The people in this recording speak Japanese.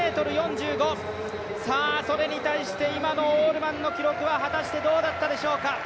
それに対して今のオールマンの記録は果たしてどうだったでしょうか。